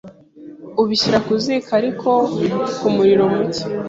Ubishyira ku ziko ariko ku muriro muke,